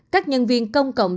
các nhân viên công cộng